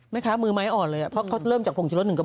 ไม่คะมือไม้อ่อนเลยเพราะเขาเริ่มจากผงชรดหนึ่งกับปล่อย